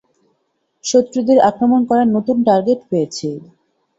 শত্রুদের আক্রমণ করার নতুন টার্গেট পেয়েছি।